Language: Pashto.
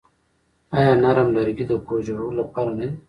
آیا نرم لرګي د کور جوړولو لپاره نه دي؟